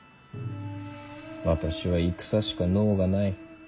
私は戦しか能がない。